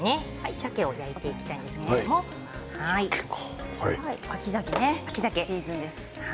さけを焼いていきたいんですけれども秋ざけ、シーズンです。